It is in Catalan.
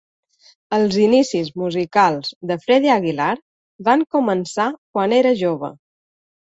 Els inicis musicals de Freddie Aguilar van començar quan era jove.